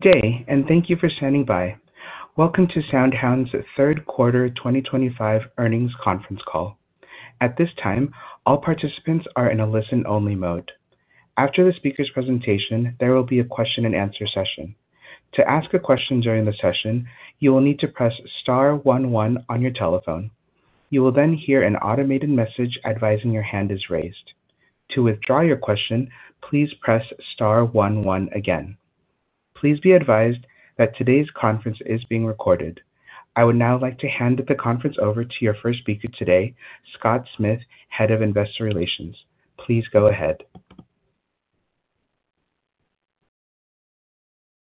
Day, and thank you for standing by. Welcome to SoundHound's third quarter 2025 earnings conference call. At this time, all participants are in a listen-only mode. After the speaker's presentation, there will be a question-and-answer session. To ask a question during the session, you will need to press star 11 on your telephone. You will then hear an automated message advising your hand is raised. To withdraw your question, please press star 11 again. Please be advised that today's conference is being recorded. I would now like to hand the conference over to your first speaker today, Scott Smith, Head of Investor Relations. Please go ahead.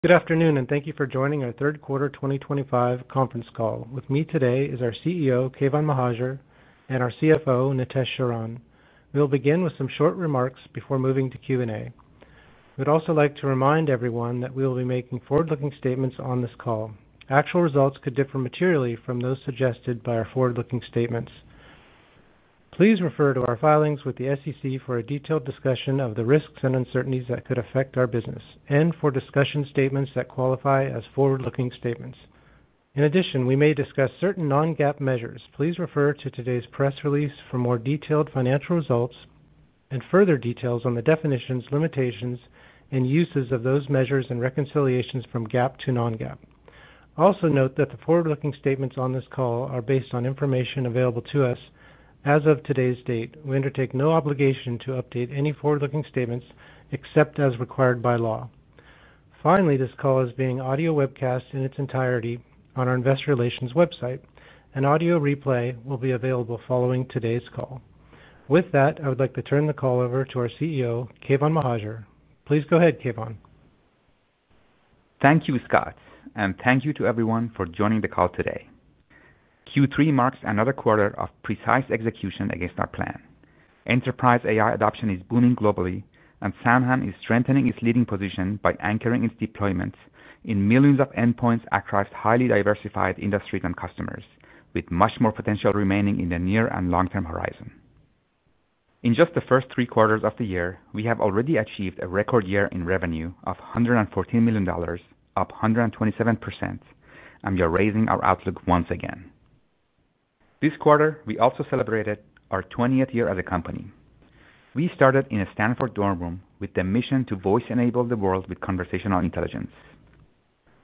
Good afternoon, and thank you for joining our third quarter 2025 conference call. With me today is our CEO, Keyvan Mohajer, and our CFO, Nitesh Sharan. We'll begin with some short remarks before moving to Q&A. We'd also like to remind everyone that we will be making forward-looking statements on this call. Actual results could differ materially from those suggested by our forward-looking statements. Please refer to our filings with the SEC for a detailed discussion of the risks and uncertainties that could affect our business, and for discussion statements that qualify as forward-looking statements. In addition, we may discuss certain non-GAAP measures. Please refer to today's press release for more detailed financial results and further details on the definitions, limitations, and uses of those measures and reconciliations from GAAP to non-GAAP. Also note that the forward-looking statements on this call are based on information available to us as of today's date. We undertake no obligation to update any forward-looking statements except as required by law. Finally, this call is being audio-webcast in its entirety on our investor relations website, and audio replay will be available following today's call. With that, I would like to turn the call over to our CEO, Keyvan Mohajer. Please go ahead, Keyvan. Thank you, Scott, and thank you to everyone for joining the call today. Q3 marks another quarter of precise execution against our plan. Enterprise AI adoption is booming globally, and SoundHound is strengthening its leading position by anchoring its deployments in millions of endpoints across highly diversified industries and customers, with much more potential remaining in the near and long-term horizon. In just the first three quarters of the year, we have already achieved a record year in revenue of $114 million, up 127%, and we are raising our outlook once again. This quarter, we also celebrated our 20th year as a company. We started in a Stanford dorm room with the mission to voice-enable the world with conversational intelligence.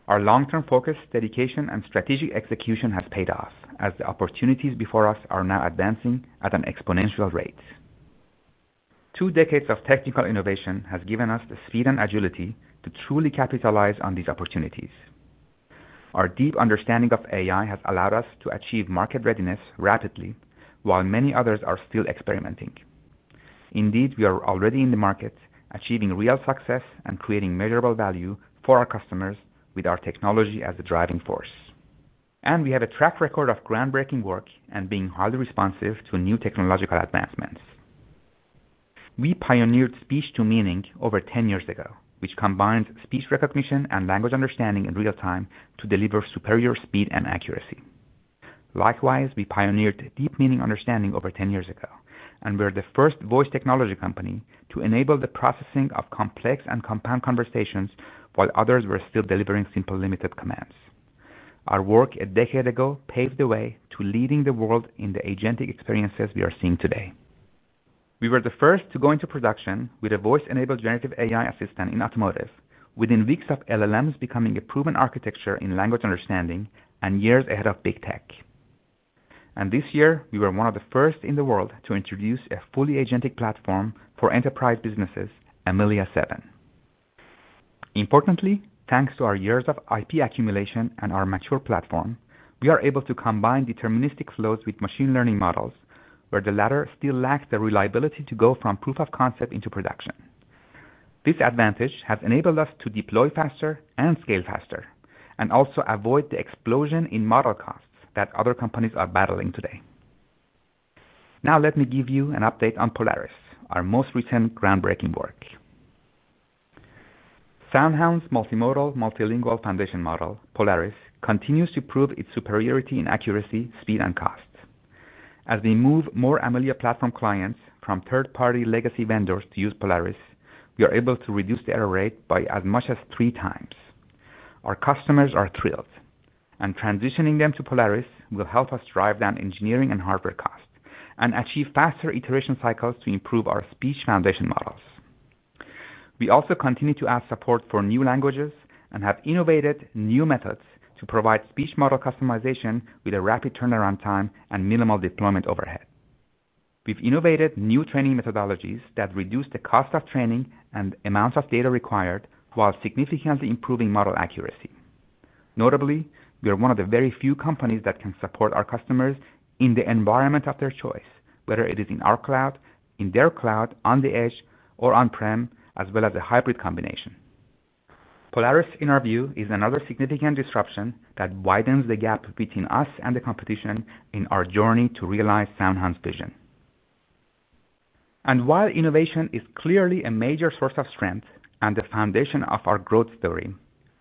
Our long-term focus, dedication, and strategic execution have paid off, as the opportunities before us are now advancing at an exponential rate. Two decades of technical innovation have given us the speed and agility to truly capitalize on these opportunities. Our deep understanding of AI has allowed us to achieve market readiness rapidly, while many others are still experimenting. Indeed, we are already in the market, achieving real success and creating measurable value for our customers with our technology as the driving force. We have a track record of groundbreaking work and being highly responsive to new technological advancements. We pioneered speech-to-meaning over 10 years ago, which combined speech recognition and language understanding in real time to deliver superior speed and accuracy. Likewise, we pioneered deep meaning understanding over 10 years ago, and we're the first voice technology company to enable the processing of complex and compound conversations while others were still delivering simple limited commands. Our work a decade ago paved the way to leading the world in the agentic experiences we are seeing today. We were the first to go into production with a voice-enabled generative AI assistant in automotive, within weeks of LLMs becoming a proven architecture in language understanding and years ahead of big tech. This year, we were one of the first in the world to introduce a fully agentic platform for enterprise businesses, Amelia 7. Importantly, thanks to our years of IP accumulation and our mature platform, we are able to combine deterministic flows with machine learning models, where the latter still lacks the reliability to go from proof of concept into production. This advantage has enabled us to deploy faster and scale faster, and also avoid the explosion in model costs that other companies are battling today. Now, let me give you an update on Polaris, our most recent groundbreaking work. SoundHound's multimodal multilingual foundation model, Polaris, continues to prove its superiority in accuracy, speed, and cost. As we move more Amelia platform clients from third-party legacy vendors to use Polaris, we are able to reduce the error rate by as much as three times. Our customers are thrilled, and transitioning them to Polaris will help us drive down engineering and hardware costs and achieve faster iteration cycles to improve our speech foundation models. We also continue to ask support for new languages and have innovated new methods to provide speech model customization with a rapid turnaround time and minimal deployment overhead. We've innovated new training methodologies that reduce the cost of training and amounts of data required while significantly improving model accuracy. Notably, we are one of the very few companies that can support our customers in the environment of their choice, whether it is in our cloud, in their cloud, on the edge, or on-prem, as well as a hybrid combination. Polaris, in our view, is another significant disruption that widens the gap between us and the competition in our journey to realize SoundHound's vision. While innovation is clearly a major source of strength and the foundation of our growth story,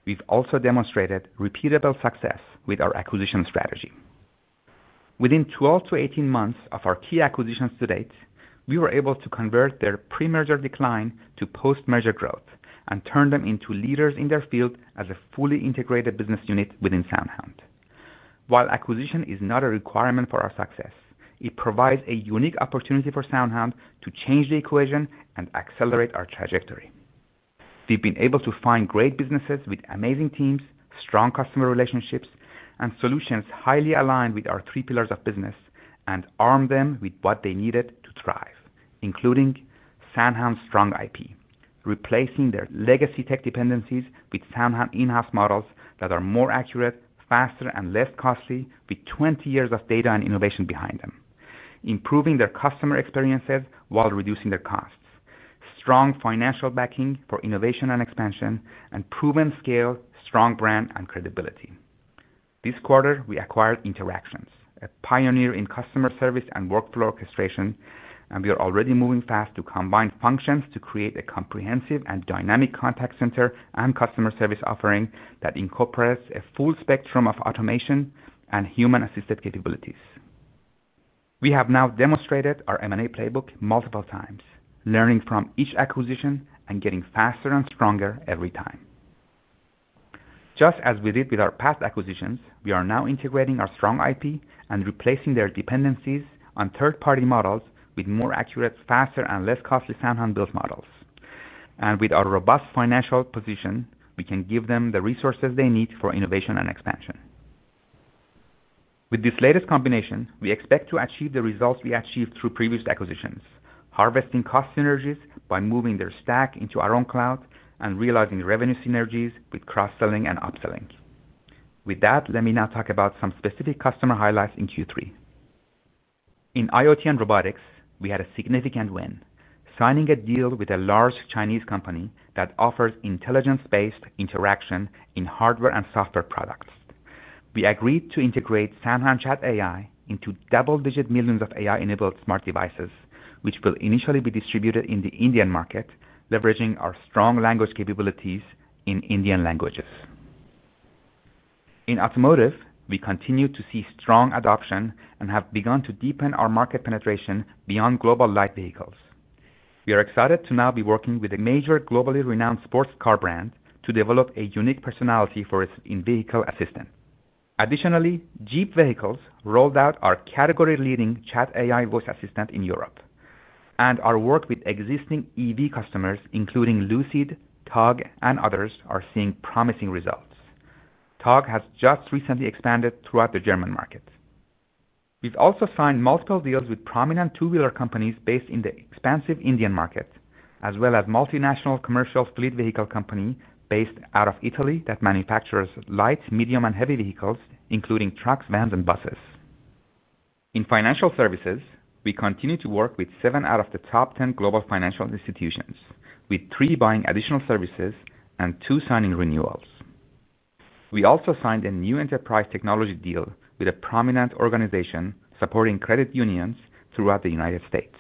we've also demonstrated repeatable success with our acquisition strategy. Within 12 to 18 months of our key acquisitions to date, we were able to convert their pre-merger decline to post-merger growth and turn them into leaders in their field as a fully integrated business unit within SoundHound. While acquisition is not a requirement for our success, it provides a unique opportunity for SoundHound to change the equation and accelerate our trajectory. We've been able to find great businesses with amazing teams, strong customer relationships, and solutions highly aligned with our three pillars of business and arm them with what they needed to thrive, including SoundHound's strong IP, replacing their legacy tech dependencies with SoundHound in-house models that are more accurate, faster, and less costly, with 20 years of data and innovation behind them, improving their customer experiences while reducing their costs, strong financial backing for innovation and expansion, and proven scale, strong brand, and credibility. This quarter, we acquired Interactions, a pioneer in customer service and workflow orchestration, and we are already moving fast to combine functions to create a comprehensive and dynamic contact center and customer service offering that incorporates a full spectrum of automation and human-assisted capabilities. We have now demonstrated our M&A playbook multiple times, learning from each acquisition and getting faster and stronger every time. Just as we did with our past acquisitions, we are now integrating our strong IP and replacing their dependencies on third-party models with more accurate, faster, and less costly SoundHound-built models. With our robust financial position, we can give them the resources they need for innovation and expansion. With this latest combination, we expect to achieve the results we achieved through previous acquisitions, harvesting cost synergies by moving their stack into our own cloud and realizing revenue synergies with cross-selling and upselling. With that, let me now talk about some specific customer highlights in Q3. In IoT and robotics, we had a significant win, signing a deal with a large Chinese company that offers intelligence-based interaction in hardware and software products. We agreed to integrate SoundHound Chat AI into double-digit millions of AI-enabled smart devices, which will initially be distributed in the Indian market, leveraging our strong language capabilities in Indian languages. In automotive, we continue to see strong adoption and have begun to deepen our market penetration beyond global light vehicles. We are excited to now be working with a major globally renowned sports car brand to develop a unique personality for its in-vehicle assistant. Additionally, Jeep Vehicles rolled out our category-leading Chat AI voice assistant in Europe, and our work with existing EV customers, including Lucid, Togg, and others, is seeing promising results. Togg has just recently expanded throughout the German market. We've also signed multiple deals with prominent two-wheeler companies based in the expansive Indian market, as well as a multinational commercial fleet vehicle company based out of Italy that manufactures light, medium, and heavy vehicles, including trucks, vans, and buses. In financial services, we continue to work with seven out of the top 10 global financial institutions, with three buying additional services and two signing renewals. We also signed a new enterprise technology deal with a prominent organization supporting credit unions throughout the United States.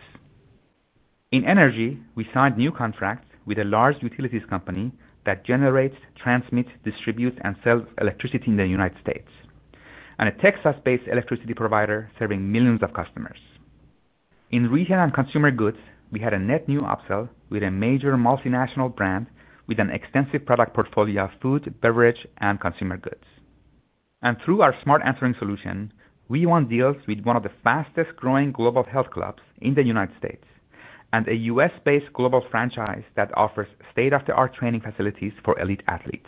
In energy, we signed new contracts with a large utilities company that generates, transmits, distributes, and sells electricity in the United States, and a Texas-based electricity provider serving millions of customers. In retail and consumer goods, we had a net new upsell with a major multinational brand with an extensive product portfolio of food, beverage, and consumer goods. Through our Smart Answering solution, we won deals with one of the fastest-growing global health clubs in the United States and a US-based global franchise that offers state-of-the-art training facilities for elite athletes.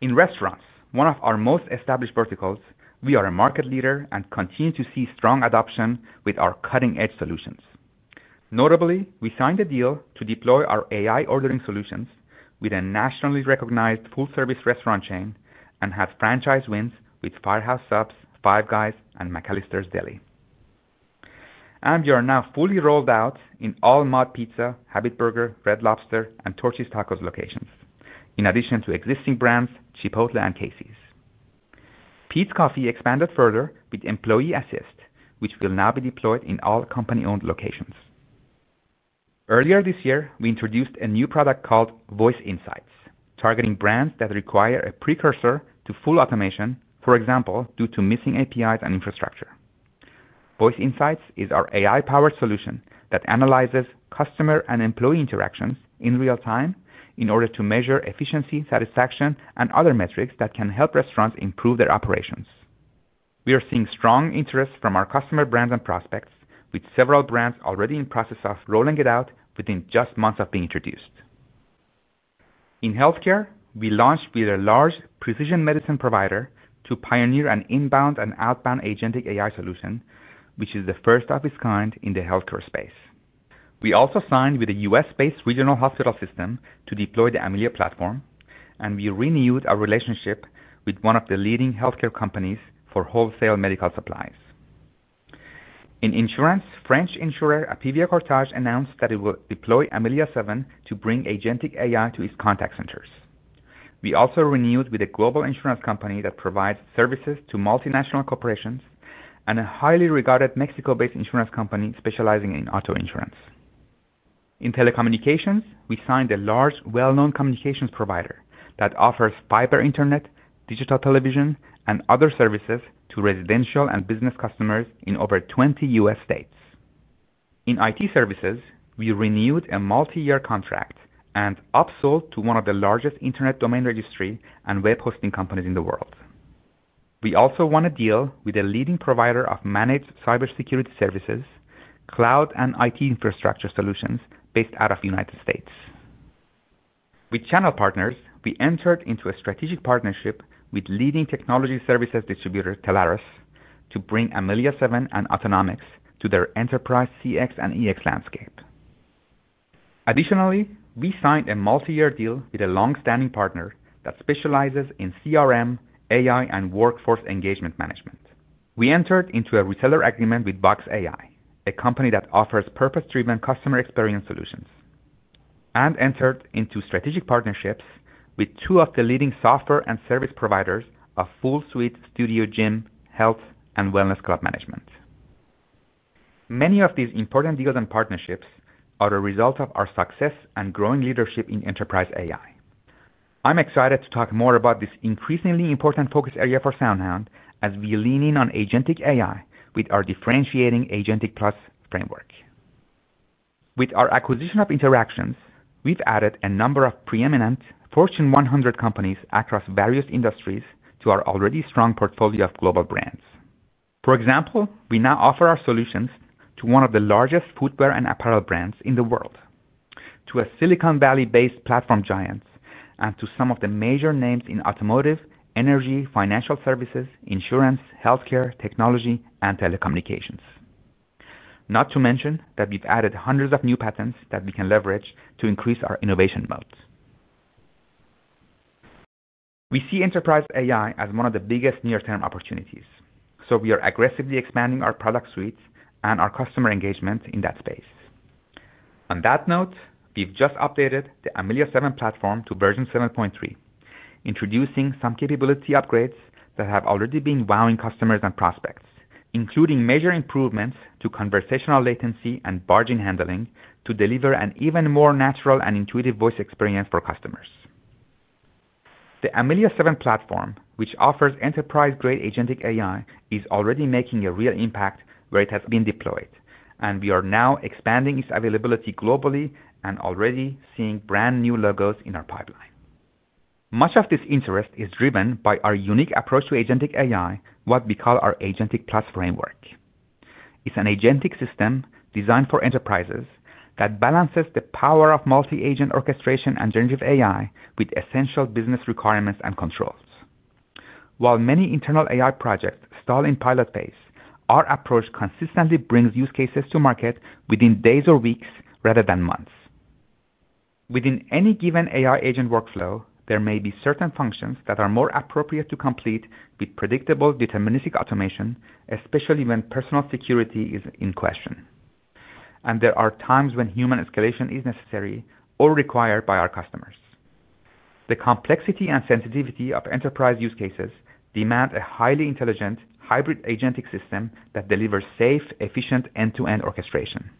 In restaurants, one of our most established verticals, we are a market leader and continue to see strong adoption with our cutting-edge solutions. Notably, we signed a deal to deploy our AI ordering solutions with a nationally recognized full-service restaurant chain and had franchise wins with Firehouse Subs, Five Guys, and McAllister's Deli. We are now fully rolled out in all MOD Pizza, Habit Burger Grill, Red Lobster, and Torchy's Tacos locations, in addition to existing brands Chipotle and KC's. Peet's Coffee expanded further with Employee Assist, which will now be deployed in all company-owned locations. Earlier this year, we introduced a new product called Voice Insights, targeting brands that require a precursor to full automation, for example, due to missing APIs and infrastructure. Voice Insights is our AI-powered solution that analyzes customer and employee interactions in real time in order to measure efficiency, satisfaction, and other metrics that can help restaurants improve their operations. We are seeing strong interest from our customer brands and prospects, with several brands already in the process of rolling it out within just months of being introduced. In healthcare, we launched with a large precision medicine provider to pioneer an inbound and outbound agentic AI solution, which is the first of its kind in the healthcare space. We also signed with a US-based regional hospital system to deploy the Amelia platform, and we renewed our relationship with one of the leading healthcare companies for wholesale medical supplies. In insurance, French insurer Apivia Courtage announced that it will deploy Amelia 7 to bring agentic AI to its contact centers. We also renewed with a global insurance company that provides services to multinational corporations and a highly regarded Mexico-based insurance company specializing in auto insurance. In telecommunications, we signed a large, well-known communications provider that offers fiber internet, digital television, and other services to residential and business customers in over 20 US states. In IT services, we renewed a multi-year contract and upsold to one of the largest internet domain registry and web hosting companies in the world. We also won a deal with a leading provider of managed cybersecurity services, cloud, and IT infrastructure solutions based out of the United States. With channel partners, we entered into a strategic partnership with leading technology services distributor Telarus to bring Amelia 7 and Autonomics to their enterprise CX and EX landscape. Additionally, we signed a multi-year deal with a long-standing partner that specializes in CRM, AI, and workforce engagement management. We entered into a reseller agreement with Box AI, a company that offers purpose-driven customer experience solutions, and entered into strategic partnerships with two of the leading software and service providers of Full Suite Studio Gym, Health, and Wellness Club management. Many of these important deals and partnerships are the result of our success and growing leadership in enterprise AI. I'm excited to talk more about this increasingly important focus area for SoundHound as we lean in on agentic AI with our differentiating Agentic+ framework. With our acquisition of Interactions, we've added a number of preeminent Fortune 100 companies across various industries to our already strong portfolio of global brands. For example, we now offer our solutions to one of the largest footwear and apparel brands in the world, to a Silicon Valley-based platform giant, and to some of the major names in automotive, energy, financial services, insurance, healthcare, technology, and telecommunications. Not to mention that we've added hundreds of new patents that we can leverage to increase our innovation moat. We see enterprise AI as one of the biggest near-term opportunities, so we are aggressively expanding our product suite and our customer engagement in that space. On that note, we've just updated the Amelia 7 platform to version 7.3, introducing some capability upgrades that have already been wowing customers and prospects, including major improvements to conversational latency and barge handling to deliver an even more natural and intuitive voice experience for customers. The Amelia 7 platform, which offers enterprise-grade agentic AI, is already making a real impact where it has been deployed, and we are now expanding its availability globally and already seeing brand new logos in our pipeline. Much of this interest is driven by our unique approach to agentic AI, what we call our Agentic+ framework. It's an agentic system designed for enterprises that balances the power of multi-agent orchestration and generative AI with essential business requirements and controls. While many internal AI projects stall in pilot phase, our approach consistently brings use cases to market within days or weeks rather than months. Within any given AI agent workflow, there may be certain functions that are more appropriate to complete with predictable deterministic automation, especially when personal security is in question. There are times when human escalation is necessary or required by our customers. The complexity and sensitivity of enterprise use cases demand a highly intelligent hybrid agentic system that delivers safe, efficient end-to-end orchestration.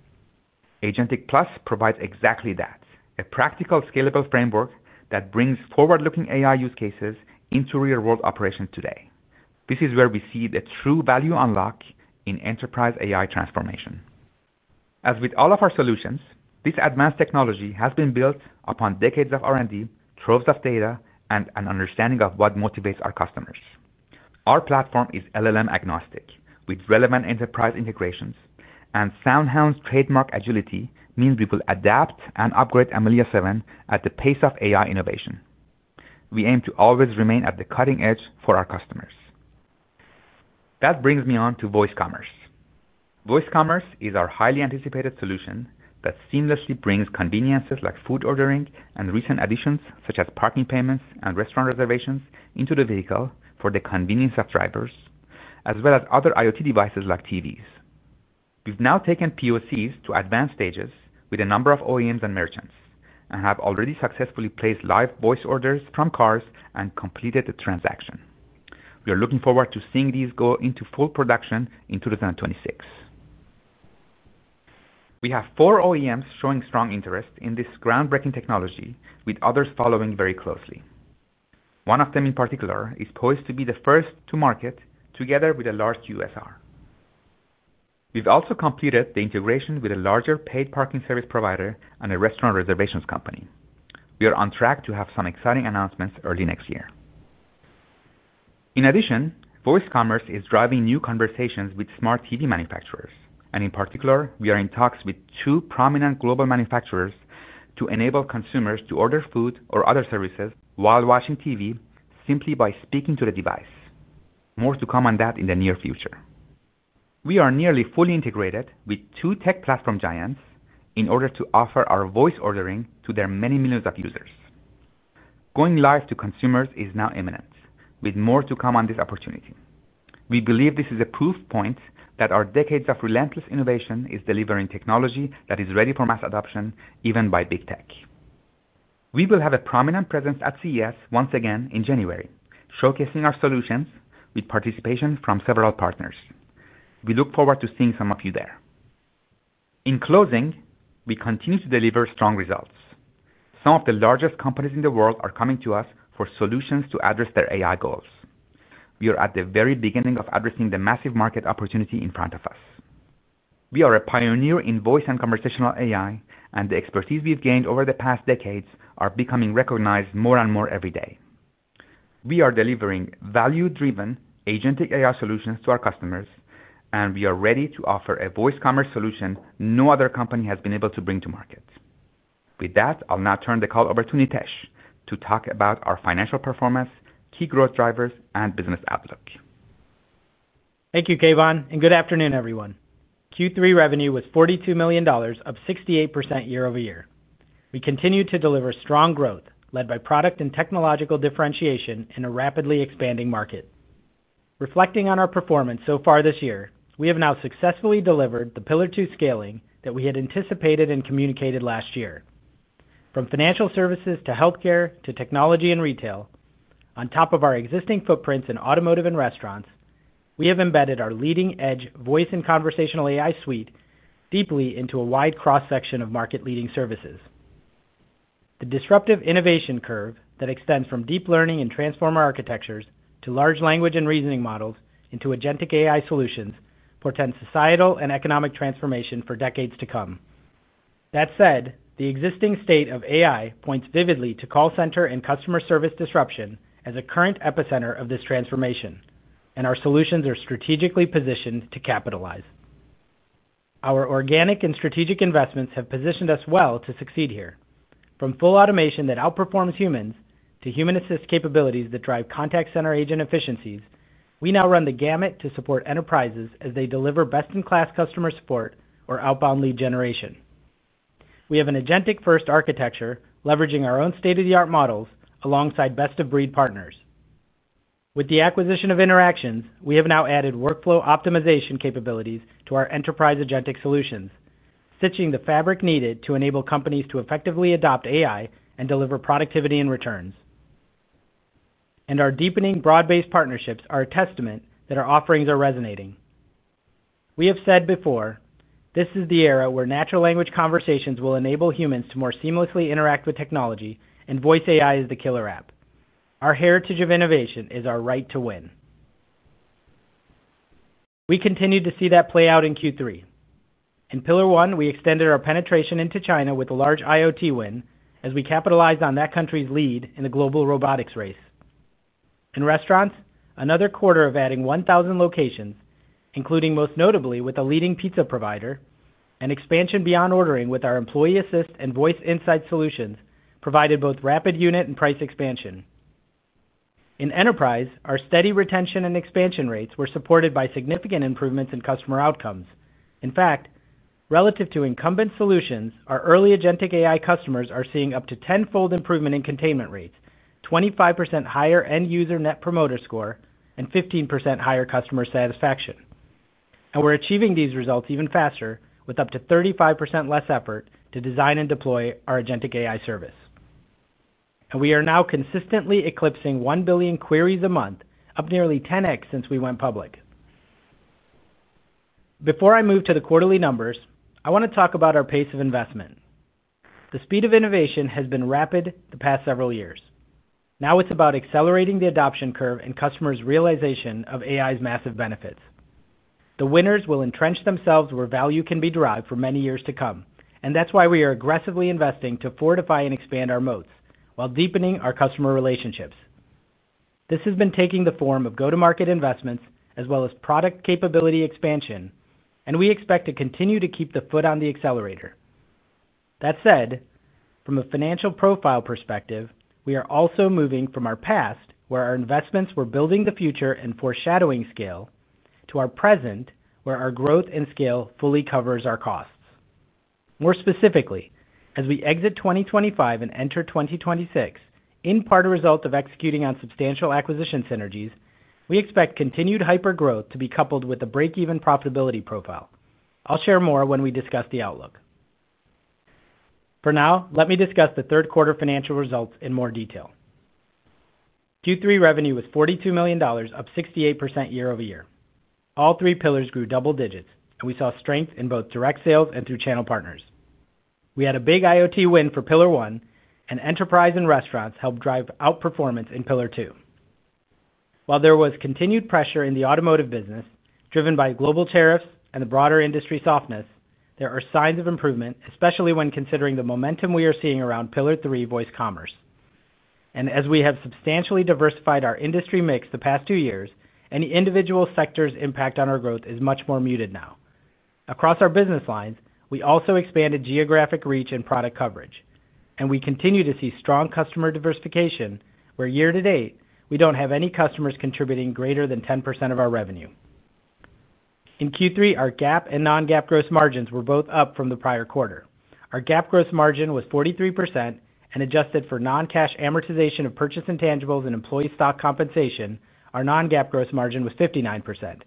Agentic+ provides exactly that, a practical, scalable framework that brings forward-looking AI use cases into real-world operations today. This is where we see the true value unlock in enterprise AI transformation. As with all of our solutions, this advanced technology has been built upon decades of R&D, troves of data, and an understanding of what motivates our customers. Our platform is LLM agnostic, with relevant enterprise integrations, and SoundHound's trademark agility means we will adapt and upgrade Amelia 7 at the pace of AI innovation. We aim to always remain at the cutting edge for our customers. That brings me on to Voice Commerce. Voice Commerce is our highly anticipated solution that seamlessly brings conveniences like food ordering and recent additions such as parking payments and restaurant reservations into the vehicle for the convenience of drivers, as well as other IoT devices like TVs. We've now taken POCs to advanced stages with a number of OEMs and merchants and have already successfully placed live voice orders from cars and completed the transaction. We are looking forward to seeing these go into full production in 2026. We have four OEMs showing strong interest in this groundbreaking technology, with others following very closely. One of them in particular is poised to be the first to market together with a large U.S. R. We've also completed the integration with a larger paid parking service provider and a restaurant reservations company. We are on track to have some exciting announcements early next year. In addition, Voice Commerce is driving new conversations with smart TV manufacturers, and in particular, we are in talks with two prominent global manufacturers to enable consumers to order food or other services while watching TV simply by speaking to the device. More to come on that in the near future. We are nearly fully integrated with two tech platform giants in order to offer our voice ordering to their many millions of users. Going live to consumers is now imminent, with more to come on this opportunity. We believe this is a proof point that our decades of relentless innovation is delivering technology that is ready for mass adoption, even by big tech. We will have a prominent presence at CES once again in January, showcasing our solutions with participation from several partners. We look forward to seeing some of you there. In closing, we continue to deliver strong results. Some of the largest companies in the world are coming to us for solutions to address their AI goals. We are at the very beginning of addressing the massive market opportunity in front of us. We are a pioneer in voice and conversational AI, and the expertise we've gained over the past decades is becoming recognized more and more every day. We are delivering value-driven agentic AI solutions to our customers, and we are ready to offer a Voice Commerce solution no other company has been able to bring to market. With that, I'll now turn the call over to Nitesh to talk about our financial performance, key growth drivers, and business outlook. Thank you, Keyvan, and good afternoon, everyone. Q3 revenue was $42 million, up 68% year-over-year. We continue to deliver strong growth led by product and technological differentiation in a rapidly expanding market. Reflecting on our performance so far this year, we have now successfully delivered the Pillar 2 scaling that we had anticipated and communicated last year. From financial services to healthcare to technology and retail, on top of our existing footprints in automotive and restaurants, we have embedded our leading-edge voice and conversational AI suite deeply into a wide cross-section of market-leading services. The disruptive innovation curve that extends from deep learning and transformer architectures to large language and reasoning models into agentic AI solutions portends societal and economic transformation for decades to come. That said, the existing state of AI points vividly to call center and customer service disruption as a current epicenter of this transformation, and our solutions are strategically positioned to capitalize. Our organic and strategic investments have positioned us well to succeed here. From full automation that outperforms humans to human-assist capabilities that drive contact center agent efficiencies, we now run the gamut to support enterprises as they deliver best-in-class customer support or outbound lead generation. We have an agentic-first architecture leveraging our own state-of-the-art models alongside best-of-breed partners. With the acquisition of Interactions, we have now added workflow optimization capabilities to our enterprise agentic solutions, stitching the fabric needed to enable companies to effectively adopt AI and deliver productivity and returns. Our deepening broad-based partnerships are a testament that our offerings are resonating. We have said before, this is the era where natural language conversations will enable humans to more seamlessly interact with technology, and voice AI is the killer app. Our heritage of innovation is our right to win. We continue to see that play out in Q3. In Pillar 1, we extended our penetration into China with a large IoT win as we capitalized on that country's lead in the global robotics race. In restaurants, another quarter of adding 1,000 locations, including most notably with a leading pizza provider, and expansion beyond ordering with our Employee Assist and Voice Insights solutions provided both rapid unit and price expansion. In enterprise, our steady retention and expansion rates were supported by significant improvements in customer outcomes. In fact, relative to incumbent solutions, our early agentic AI customers are seeing up to 10-fold improvement in containment rates, 25% higher end user net promoter score, and 15% higher customer satisfaction. We are achieving these results even faster with up to 35% less effort to design and deploy our agentic AI service. We are now consistently eclipsing 1 billion queries a month, up nearly 10x since we went public. Before I move to the quarterly numbers, I want to talk about our pace of investment. The speed of innovation has been rapid the past several years. Now it is about accelerating the adoption curve and customers' realization of AI's massive benefits. The winners will entrench themselves where value can be derived for many years to come, and that is why we are aggressively investing to fortify and expand our moats while deepening our customer relationships. This has been taking the form of go-to-market investments as well as product capability expansion, and we expect to continue to keep the foot on the accelerator. That said, from a financial profile perspective, we are also moving from our past, where our investments were building the future and foreshadowing scale, to our present, where our growth and scale fully covers our costs. More specifically, as we exit 2025 and enter 2026, in part a result of executing on substantial acquisition synergies, we expect continued hypergrowth to be coupled with a break-even profitability profile. I'll share more when we discuss the outlook. For now, let me discuss the third quarter financial results in more detail. Q3 revenue was $42 million, up 68% year-over-year. All three pillars grew double digits, and we saw strength in both direct sales and through channel partners. We had a big IoT win for Pillar 1, and enterprise and restaurants helped drive outperformance in Pillar 2. While there was continued pressure in the automotive business, driven by global tariffs and the broader industry softness, there are signs of improvement, especially when considering the momentum we are seeing around Pillar 3 voice commerce. As we have substantially diversified our industry mix the past two years, any individual sector's impact on our growth is much more muted now. Across our business lines, we also expanded geographic reach and product coverage, and we continue to see strong customer diversification, where year to date, we do not have any customers contributing greater than 10% of our revenue. In Q3, our GAAP and non-GAAP gross margins were both up from the prior quarter. Our GAAP gross margin was 43% and adjusted for non-cash amortization of purchase intangibles and employee stock compensation, our non-GAAP gross margin was 59%.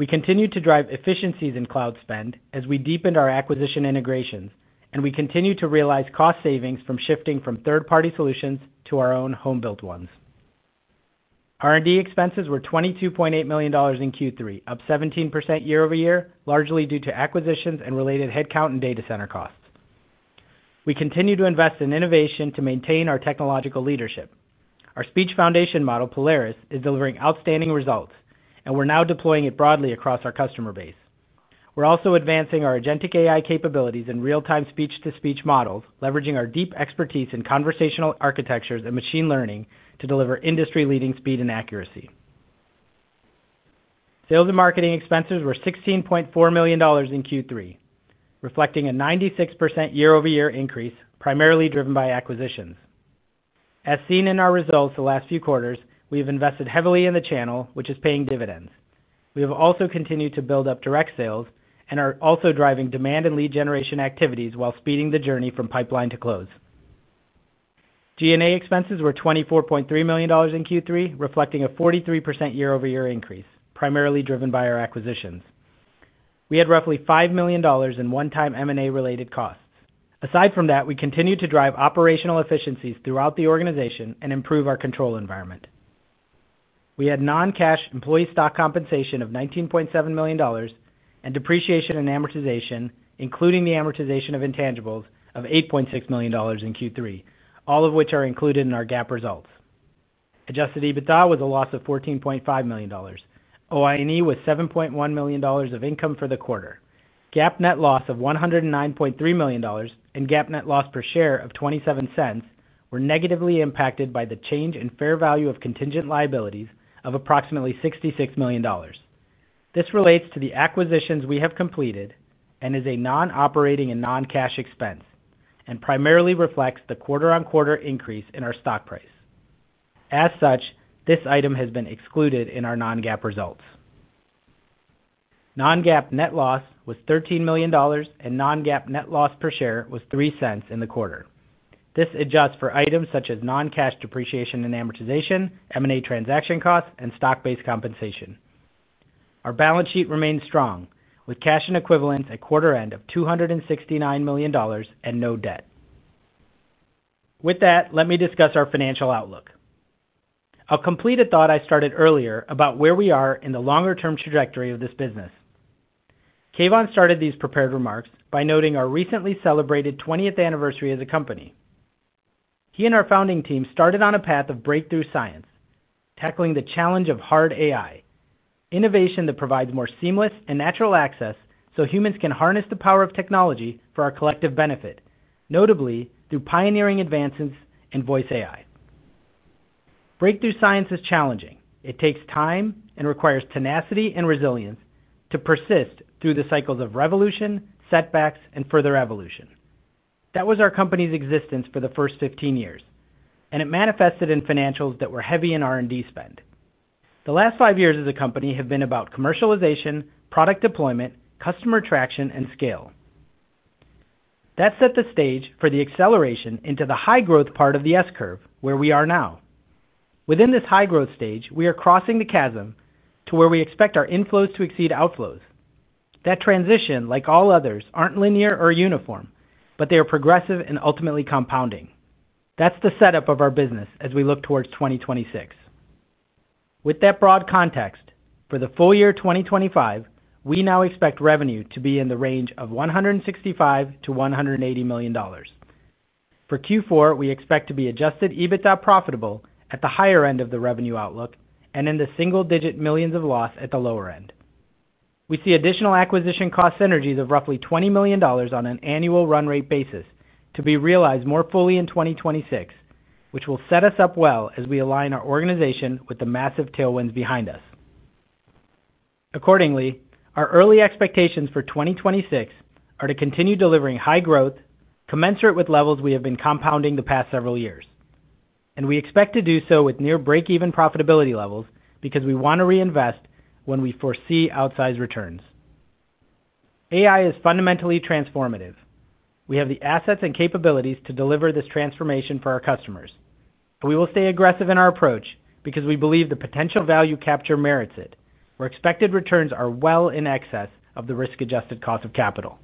We continued to drive efficiencies in cloud spend as we deepened our acquisition integrations, and we continue to realize cost savings from shifting from third-party solutions to our own home-built ones. R&D expenses were $22.8 million in Q3, up 17% year-over-year, largely due to acquisitions and related headcount and data center costs. We continue to invest in innovation to maintain our technological leadership. Our speech foundation model, Polaris, is delivering outstanding results, and we're now deploying it broadly across our customer base. We're also advancing our agentic AI capabilities in real-time speech-to-speech models, leveraging our deep expertise in conversational architectures and machine learning to deliver industry-leading speed and accuracy. Sales and marketing expenses were $16.4 million in Q3, reflecting a 96% year-over-year increase, primarily driven by acquisitions. As seen in our results the last few quarters, we have invested heavily in the channel, which is paying dividends. We have also continued to build up direct sales and are also driving demand and lead generation activities while speeding the journey from pipeline to close. G&A expenses were $24.3 million in Q3, reflecting a 43% year-over-year increase, primarily driven by our acquisitions. We had roughly $5 million in one-time M&A-related costs. Aside from that, we continue to drive operational efficiencies throughout the organization and improve our control environment. We had non-cash employee stock compensation of $19.7 million and depreciation and amortization, including the amortization of intangibles, of $8.6 million in Q3, all of which are included in our GAAP results. Adjusted EBITDA was a loss of $14.5 million. OI&E was $7.1 million of income for the quarter. GAAP net loss of $109.3 million and GAAP net loss per share of $0.27 were negatively impacted by the change in fair value of contingent liabilities of approximately $66 million. This relates to the acquisitions we have completed and is a non-operating and non-cash expense and primarily reflects the quarter-on-quarter increase in our stock price. As such, this item has been excluded in our non-GAAP results. Non-GAAP net loss was $13 million, and non-GAAP net loss per share was $0.03 in the quarter. This adjusts for items such as non-cash depreciation and amortization, M&A transaction costs, and stock-based compensation. Our balance sheet remains strong, with cash and equivalents at quarter-end of $269 million and no debt. With that, let me discuss our financial outlook. I'll complete a thought I started earlier about where we are in the longer-term trajectory of this business. Keyvan started these prepared remarks by noting our recently celebrated 20th anniversary as a company. He and our founding team started on a path of breakthrough science, tackling the challenge of hard AI, innovation that provides more seamless and natural access so humans can harness the power of technology for our collective benefit, notably through pioneering advances in voice AI. Breakthrough science is challenging. It takes time and requires tenacity and resilience to persist through the cycles of revolution, setbacks, and further evolution. That was our company's existence for the first 15 years, and it manifested in financials that were heavy in R&D spend. The last five years as a company have been about commercialization, product deployment, customer traction, and scale. That set the stage for the acceleration into the high-growth part of the S-curve, where we are now. Within this high-growth stage, we are crossing the chasm to where we expect our inflows to exceed outflows. That transition, like all others, is not linear or uniform, but it is progressive and ultimately compounding. That is the setup of our business as we look towards 2026. With that broad context, for the full year 2025, we now expect revenue to be in the range of $165-$180 million. For Q4, we expect to be adjusted EBITDA profitable at the higher end of the revenue outlook and in the single-digit millions of loss at the lower end. We see additional acquisition cost synergies of roughly $20 million on an annual run-rate basis to be realized more fully in 2026, which will set us up well as we align our organization with the massive tailwinds behind us. Accordingly, our early expectations for 2026 are to continue delivering high growth, commensurate with levels we have been compounding the past several years. We expect to do so with near break-even profitability levels because we want to reinvest when we foresee outsized returns. AI is fundamentally transformative. We have the assets and capabilities to deliver this transformation for our customers. We will stay aggressive in our approach because we believe the potential value capture merits it, where expected returns are well in excess of the risk-adjusted cost of capital.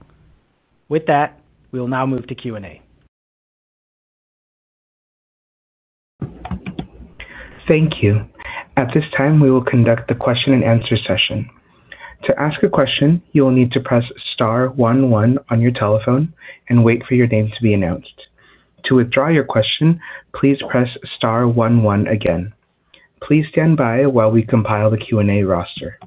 With that, we will now move to Q&A. Thank you. At this time, we will conduct the question-and-answer session. To ask a question, you will need to press star 11 on your telephone and wait for your name to be announced. To withdraw your question, please press star 11 again. Please stand by while we compile the Q&A roster.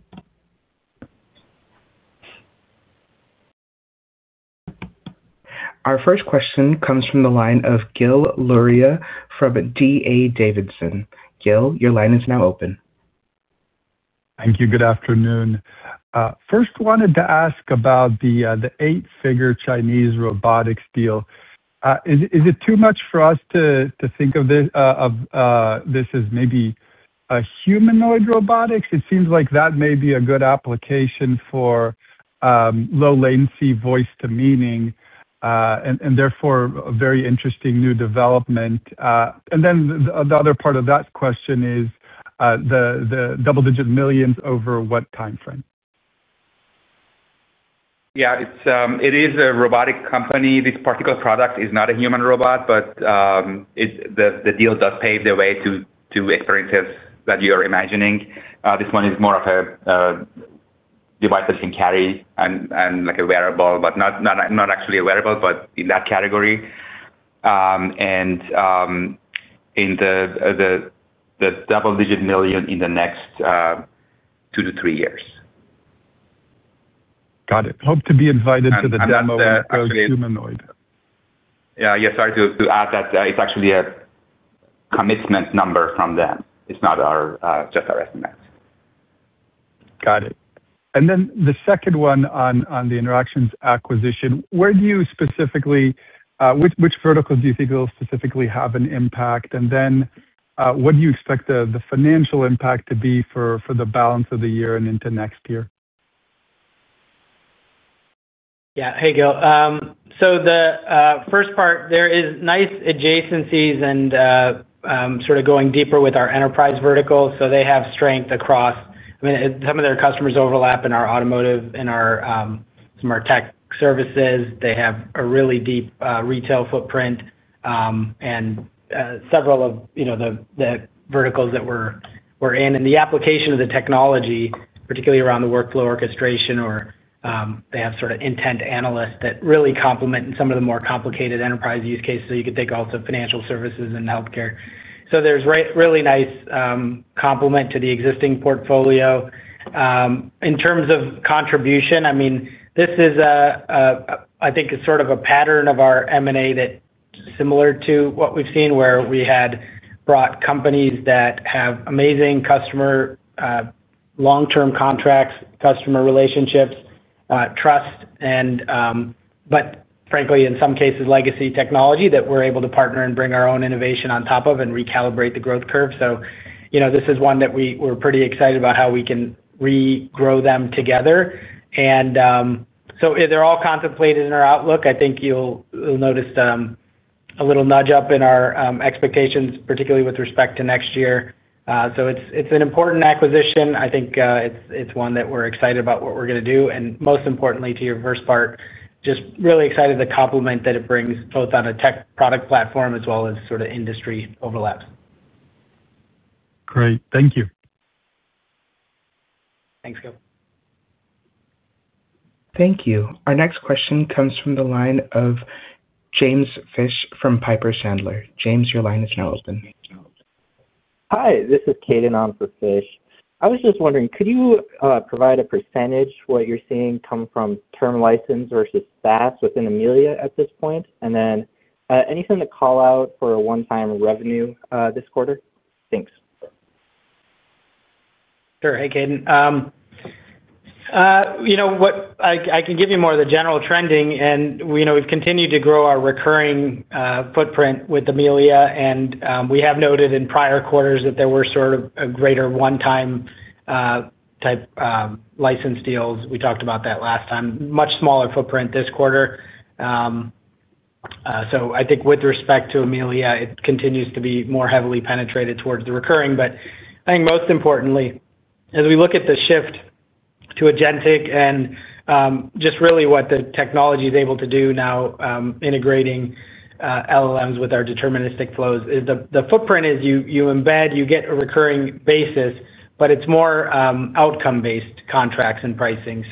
Our first question comes from the line of Gil Luria from D.A. Davidson. Gil, your line is now open. Thank you. Good afternoon. First, wanted to ask about the eight-figure Chinese robotics deal. Is it too much for us to think of this as maybe humanoid robotics? It seems like that may be a good application for low-latency voice-to-meaning, and therefore, a very interesting new development. The other part of that question is the double-digit millions. Over what timeframe? Yeah. It is a robotic company. This particular product is not a human robot, but the deal does pave the way to experiences that you are imagining. This one is more of a device that you can carry and a wearable, but not actually a wearable, but in that category. In the double-digit million in the next two to three years. Got it. Hope to be invited to the demo of those humanoid. Yeah. Sorry to add that it's actually a commitment number from them. It's not just our estimates. Got it. The second one on the Interactions acquisition, where do you specifically, which verticals do you think will specifically have an impact? What do you expect the financial impact to be for the balance of the year and into next year? Yeah. Hey, Gil. The first part, there are nice adjacencies and sort of going deeper with our enterprise vertical. They have strength across some of their customers overlap in our automotive and some of our tech services. They have a really deep retail footprint. And several of the verticals that we're in. The application of the technology, particularly around the workflow orchestration, or they have sort of intent analysts that really complement some of the more complicated enterprise use cases. You could think also of financial services and healthcare. There's a really nice complement to the existing portfolio. In terms of contribution, I mean, this is, I think, sort of a pattern of our M&A that's similar to what we've seen, where we had brought companies that have amazing customer long-term contracts, customer relationships, trust, and, but frankly, in some cases, legacy technology that we're able to partner and bring our own innovation on top of and recalibrate the growth curve. This is one that we're pretty excited about, how we can regrow them together. They're all contemplated in our outlook. I think you'll notice a little nudge-up in our expectations, particularly with respect to next year. It is an important acquisition. I think it's one that we're excited about what we're going to do. Most importantly, to your first part, just really excited to complement that it brings both on a tech product platform as well as sort of industry overlaps. Great. Thank you. Thanks, Gil. Thank you. Our next question comes from the line of James Fish from Piper Sandler. James, your line is now open. Hi. This is Caden on for Fish. I was just wondering, could you provide a percentage of what you're seeing come from term license versus SaaS within Amelia at this point? Anything to call out for a one-time revenue this quarter? Thanks. Sure. Hey, Caden. I can give you more of the general trending. We have continued to grow our recurring footprint with Amelia. We have noted in prior quarters that there were greater one-time type license deals. We talked about that last time. Much smaller footprint this quarter. I think with respect to Amelia, it continues to be more heavily penetrated towards the recurring. I think most importantly, as we look at the shift to agentic and just really what the technology is able to do now, integrating LLMs with our deterministic flows, the footprint is you embed, you get a recurring basis, but it is more outcome-based contracts and pricing.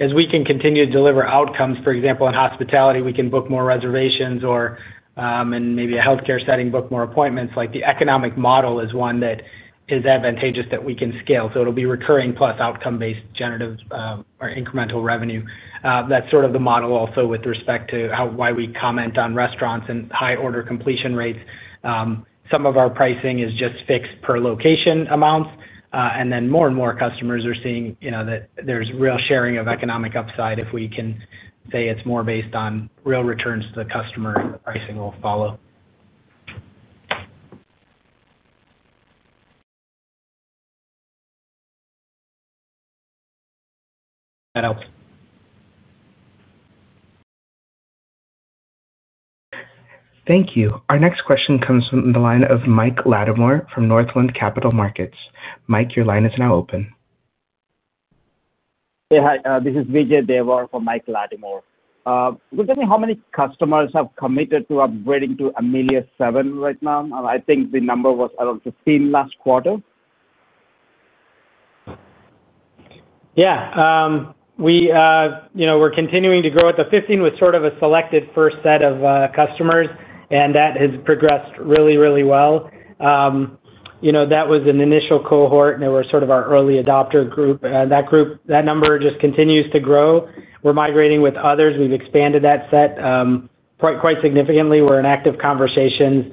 As we can continue to deliver outcomes, for example, in hospitality, we can book more reservations or in maybe a healthcare setting, book more appointments. The economic model is one that is advantageous that we can scale. It will be recurring plus outcome-based generative or incremental revenue. That's sort of the model also with respect to why we comment on restaurants and high order completion rates. Some of our pricing is just fixed per location amounts. More and more customers are seeing that there's real sharing of economic upside. If we can say it's more based on real returns to the customer, the pricing will follow. That helps. Thank you. Our next question comes from the line of Mike Lattimore from Northland Capital Markets. Mike, your line is now open. Hey, hi. This is Vijay Devar from Mike Lattimore. Would you tell me how many customers have committed to upgrading to Amelia 7 right now? I think the number was around 15 last quarter. Yeah. We're continuing to grow at the 15 with sort of a selected first set of customers. That has progressed really, really well. That was an initial cohort, and they were sort of our early adopter group. That number just continues to grow. We're migrating with others. We've expanded that set quite significantly. We're in active conversations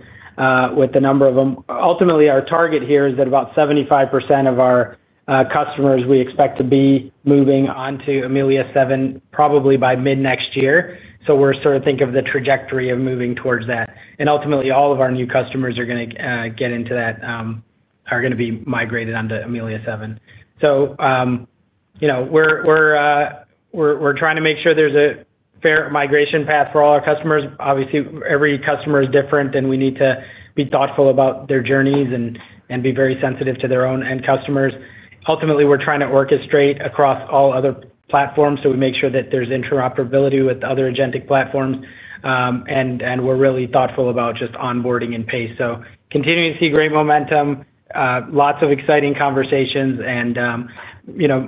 with a number of them. Ultimately, our target here is that about 75% of our customers we expect to be moving onto Amelia 7 probably by mid-next year. We're sort of thinking of the trajectory of moving towards that. Ultimately, all of our new customers are going to get into that, are going to be migrated onto Amelia 7. We're trying to make sure there's a fair migration path for all our customers. Obviously, every customer is different, and we need to be thoughtful about their journeys and be very sensitive to their own end customers. Ultimately, we're trying to orchestrate across all other platforms so we make sure that there's interoperability with other agentic platforms. We're really thoughtful about just onboarding and pace. Continuing to see great momentum, lots of exciting conversations.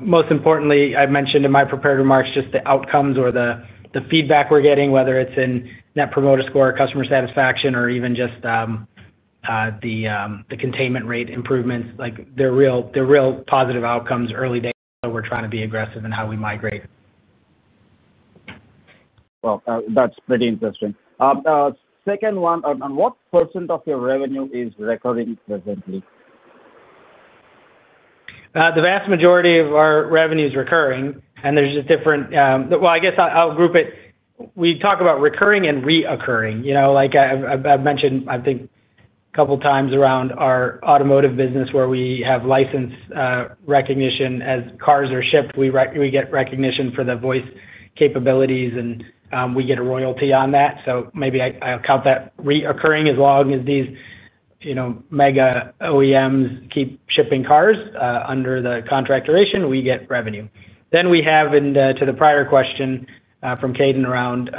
Most importantly, I mentioned in my prepared remarks just the outcomes or the feedback we're getting, whether it's in net promoter score, customer satisfaction, or even just the containment rate improvements. They're real positive outcomes, early data. We're trying to be aggressive in how we migrate. That's pretty interesting. Second one, what % of your revenue is recurring presently? The vast majority of our revenue is recurring. There's just different, I guess I'll group it. We talk about recurring and reoccurring. I've mentioned, I think, a couple of times around our automotive business where we have license recognition. As cars are shipped, we get recognition for the voice capabilities, and we get a royalty on that. Maybe I'll count that recurring as long as these mega OEMs keep shipping cars under the contract duration, we get revenue. We have, to the prior question from Caden around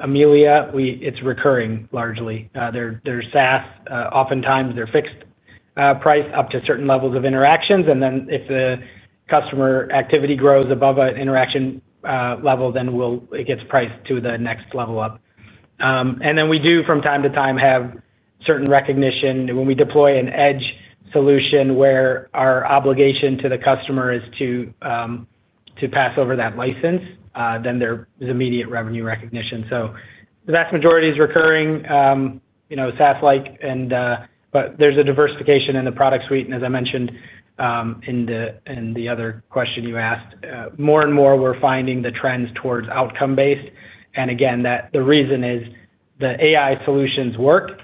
Amelia, it's recurring largely. They're SaaS. Oftentimes, they're fixed priced up to certain levels of interactions. If the customer activity grows above an interaction level, then it gets priced to the next level up. We do, from time to time, have certain recognition. When we deploy an edge solution where our obligation to the customer is to pass over that license, then there is immediate revenue recognition. The vast majority is recurring, SaaS-like. There's a diversification in the product suite. As I mentioned. In the other question you asked, more and more, we're finding the trends towards outcome-based. Again, the reason is the AI solutions work.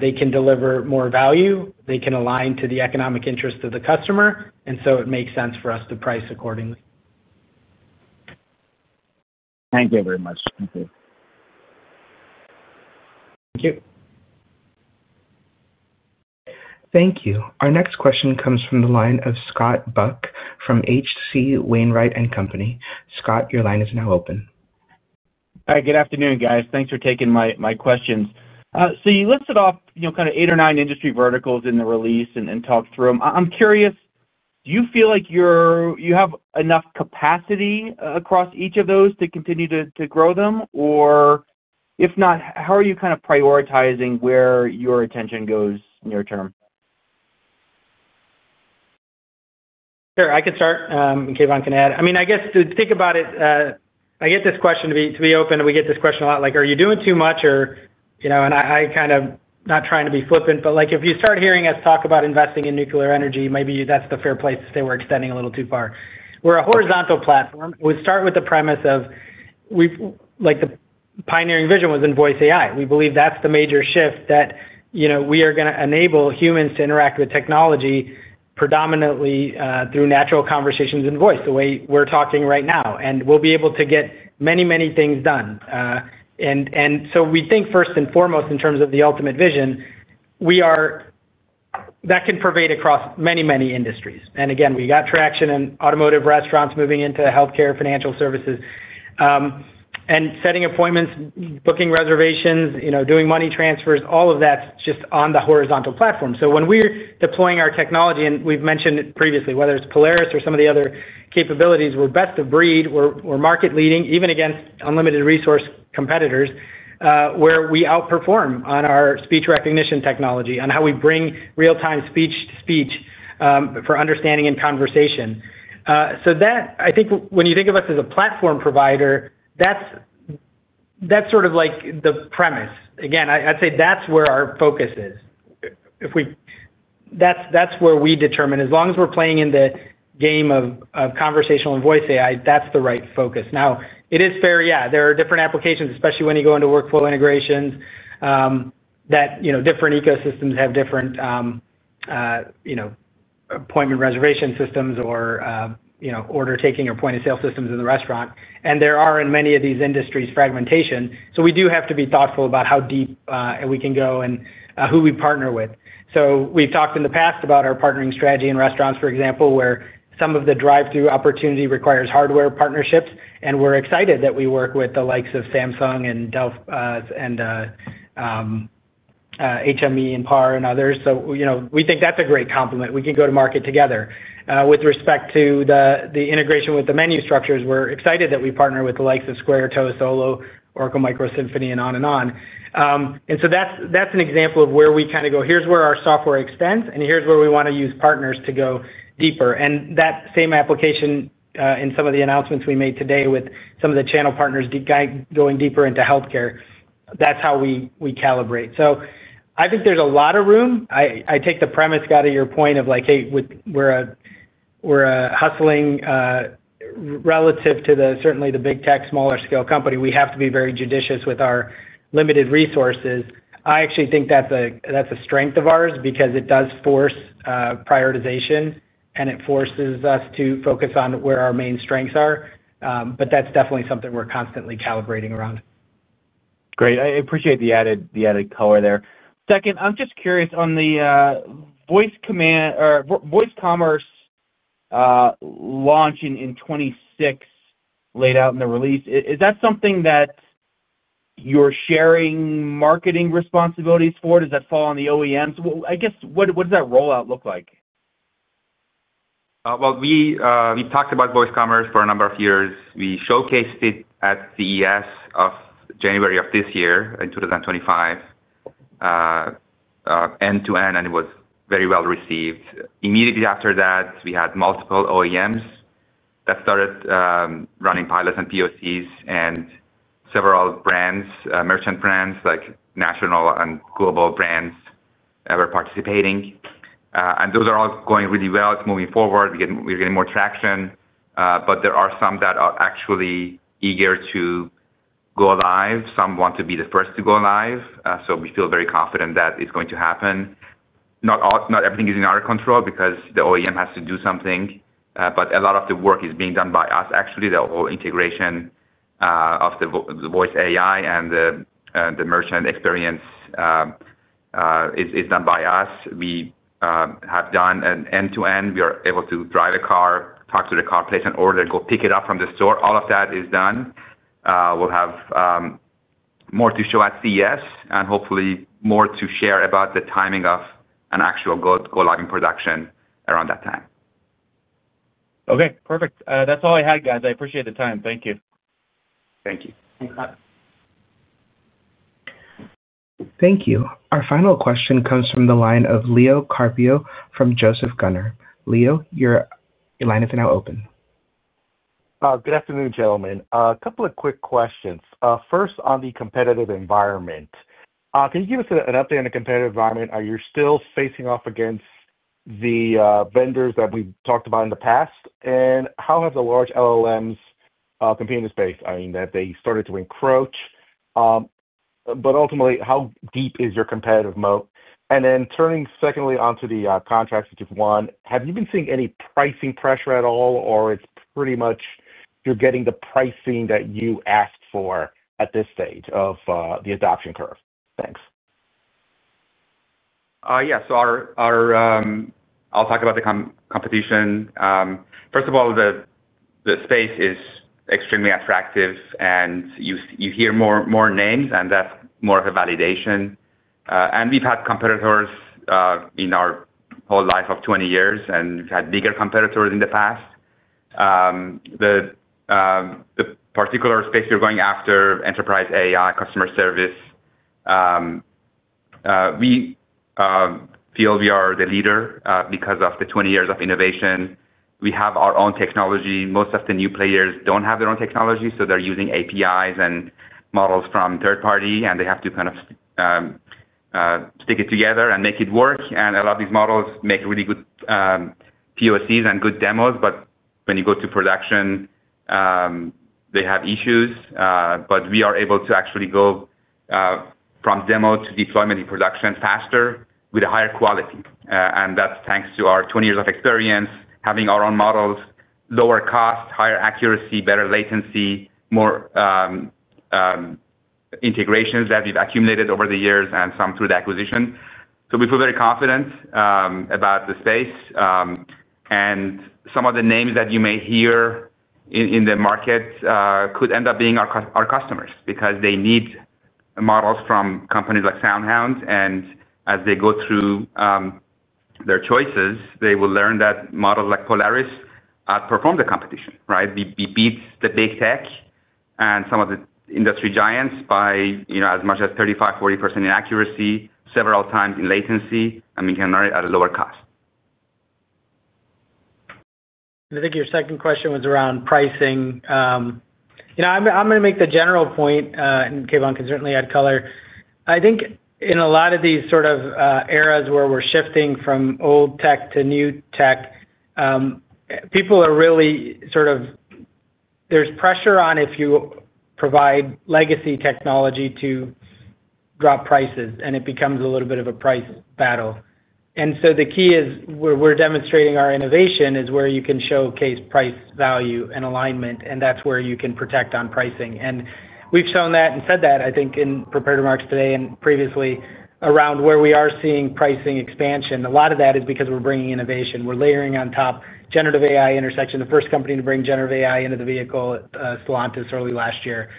They can deliver more value. They can align to the economic interest of the customer. It makes sense for us to price accordingly. Thank you very much. Thank you. Thank you. Thank you. Our next question comes from the line of Scott Buck from HC Wainwright & Company. Scott, your line is now open. Hi. Good afternoon, guys. Thanks for taking my questions. You listed off kind of eight or nine industry verticals in the release and talked through them. I'm curious, do you feel like you have enough capacity across each of those to continue to grow them? If not, how are you kind of prioritizing where your attention goes near term? Sure. I can start, and Keyvan can add. I mean, I guess to think about it. I get this question, to be open. We get this question a lot. Are you doing too much? I kind of, not trying to be flippant, but if you start hearing us talk about investing in nuclear energy, maybe that's the fair place to say we're extending a little too far. We're a horizontal platform. We start with the premise of, the pioneering vision was in voice AI. We believe that's the major shift that we are going to enable humans to interact with technology predominantly through natural conversations and voice, the way we're talking right now. We'll be able to get many, many things done. We think first and foremost, in terms of the ultimate vision, that can pervade across many, many industries. Again, we got traction in automotive, restaurants, moving into healthcare, financial services. Setting appointments, booking reservations, doing money transfers, all of that's just on the horizontal platform. When we're deploying our technology, and we've mentioned it previously, whether it's Polaris or some of the other capabilities, we're best of breed. We're market-leading, even against unlimited resource competitors, where we outperform on our speech recognition technology, on how we bring real-time speech to speech for understanding and conversation. I think when you think of us as a platform provider, that's sort of like the premise. Again, I'd say that's where our focus is. That's where we determine. As long as we're playing in the game of conversational and voice AI, that's the right focus. It is fair. Yeah. There are different applications, especially when you go into workflow integrations. Different ecosystems have different appointment reservation systems or order-taking or point-of-sale systems in the restaurant. There are, in many of these industries, fragmentation. We do have to be thoughtful about how deep we can go and who we partner with. We have talked in the past about our partnering strategy in restaurants, for example, where some of the drive-thru opportunity requires hardware partnerships. We are excited that we work with the likes of Samsung, Dell, HME, PAR, and others. We think that is a great complement. We can go to market together. With respect to the integration with the menu structures, we are excited that we partner with the likes of Square, Toast, Oracle, Micros Symphony, and on and on. That is an example of where we kind of go, "Here's where our software extends, and here's where we want to use partners to go deeper." That same application in some of the announcements we made today with some of the channel partners going deeper into healthcare, that is how we calibrate. I think there is a lot of room. I take the premise out of your point of like, "Hey, we are hustling. Relative to certainly the big tech, smaller-scale company. We have to be very judicious with our limited resources." I actually think that is a strength of ours because it does force prioritization, and it forces us to focus on where our main strengths are. That is definitely something we are constantly calibrating around. Great. I appreciate the added color there. Second, I am just curious on the voice commerce launch in 2026 laid out in the release. Is that something that you're sharing marketing responsibilities for? Does that fall on the OEMs? I guess, what does that rollout look like? We've talked about voice commerce for a number of years. We showcased it at the ES of January of this year in 2025. End-to-end, and it was very well received. Immediately after that, we had multiple OEMs that started running pilots and POCs and several merchant brands like national and global brands that were participating. Those are all going really well. It's moving forward. We're getting more traction. There are some that are actually eager to go live. Some want to be the first to go live. We feel very confident that it's going to happen. Not everything is in our control because the OEM has to do something. A lot of the work is being done by us, actually. The whole integration of the voice AI and the merchant experience is done by us. We have done an end-to-end. We are able to drive a car, talk to the car, place an order, go pick it up from the store. All of that is done. We will have more to show at CES and hopefully more to share about the timing of an actual go-live in production around that time. Okay. Perfect. That's all I had, guys. I appreciate the time. Thank you. Thank you. Thank you. Our final question comes from the line of Leo Carpio from Joseph Gunnar. Leo, your line is now open. Good afternoon, gentlemen. A couple of quick questions. First, on the competitive environment. Can you give us an update on the competitive environment? Are you still facing off against the vendors that we have talked about in the past? How have the large LLMs competed in this space? I mean, have they started to encroach? Ultimately, how deep is your competitive moat? Turning secondly onto the contracts that you've won, have you been seeing any pricing pressure at all, or it's pretty much you're getting the pricing that you asked for at this stage of the adoption curve? Thanks. Yeah. I'll talk about the competition. First of all, the space is extremely attractive, and you hear more names, and that's more of a validation. We've had competitors in our whole life of 20 years, and we've had bigger competitors in the past. The particular space we're going after, enterprise AI, customer service. We feel we are the leader because of the 20 years of innovation. We have our own technology. Most of the new players do not have their own technology, so they are using APIs and models from third-party, and they have to kind of stick it together and make it work. A lot of these models make really good POCs and good demos. When you go to production, they have issues. We are able to actually go from demo to deployment in production faster with a higher quality. That is thanks to our 20 years of experience, having our own models, lower cost, higher accuracy, better latency, more integrations that we have accumulated over the years and some through the acquisition. We feel very confident about the space. Some of the names that you may hear in the market could end up being our customers because they need models from companies like SoundHound. As they go through. Their choices, they will learn that models like Polaris outperform the competition, right? We beat the big tech and some of the industry giants by as much as 35%-40% in accuracy, several times in latency, and we can run it at a lower cost. I think your second question was around pricing. I'm going to make the general point, and Keyvan can certainly add color. I think in a lot of these sort of eras where we're shifting from old tech to new tech. People are really sort of. There's pressure on if you provide legacy technology to. Drop prices, and it becomes a little bit of a price battle. The key is where we're demonstrating our innovation is where you can showcase price value and alignment, and that's where you can protect on pricing. We have shown that and said that, I think, in Prepared to Market today and previously around where we are seeing pricing expansion. A lot of that is because we are bringing innovation. We are layering on top generative AI intersection. The first company to bring generative AI into the vehicle, Stellantis, early last year.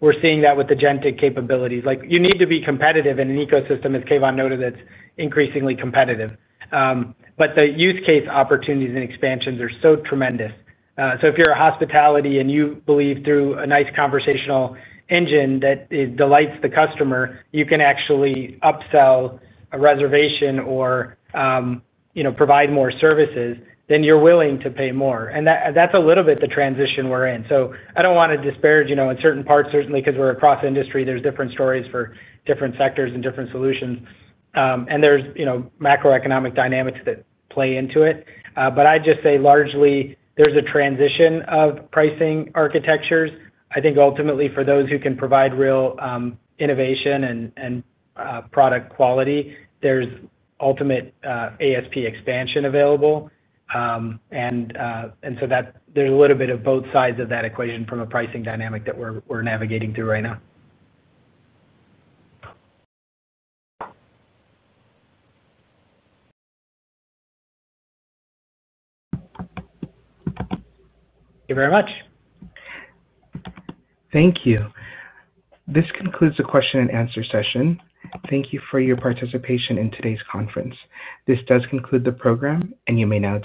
We are seeing that with the GenTech capabilities. You need to be competitive in an ecosystem, as Keyvan noted, that is increasingly competitive. The use case opportunities and expansions are so tremendous. If you are hospitality and you believe through a nice conversational engine that delights the customer, you can actually upsell a reservation or provide more services, then you are willing to pay more. That is a little bit the transition we are in. I do not want to disparage in certain parts, certainly because we are cross-industry. There are different stories for different sectors and different solutions. There are macroeconomic dynamics that play into it. I'd just say largely, there's a transition of pricing architectures. I think ultimately, for those who can provide real innovation and product quality, there's ultimate ASP expansion available. There's a little bit of both sides of that equation from a pricing dynamic that we're navigating through right now. Thank you very much. Thank you. This concludes the question-and-answer session. Thank you for your participation in today's conference. This does conclude the program, and you may now.